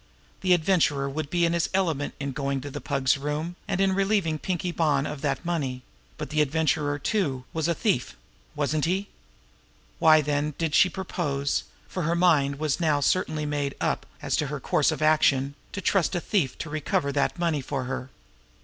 The Adventurer would be in his element in going to the Pug's room, and in relieving Pinkie Bonn of that money; but the Adventurer, too, was a thief wasn't he? Why, then, did she propose, for her mind was now certainly made up as to her course of action, to trust a thief to recover that money for her?